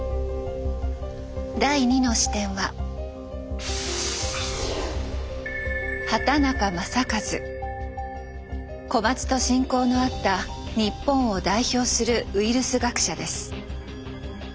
第２の視点は小松と親交のあった日本を代表するウイルス学者です。